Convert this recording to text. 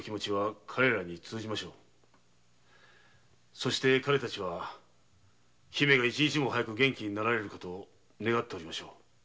そして彼たちは姫が一日も早く元気になられる事を願っておりましょう。